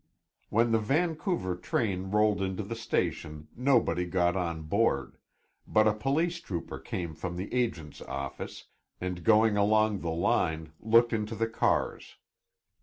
When the Vancouver train rolled into the station nobody got on board, but a police trooper came from the agent's office, and going along the line, looked into the cars.